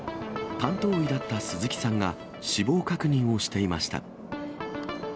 担当医だった鈴木さんが、死亡確認をしていました。